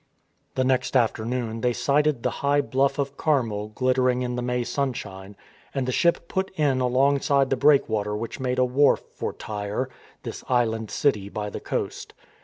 The next afternoon they sighted the high bluff of Carmel glittering in the May sunshine, and the ship put in alongside the breakwater which made a wharf for Tyre, this island city by the coast.